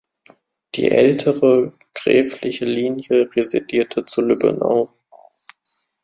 Die ältere, gräfliche Linie residierte zu Lübbenau.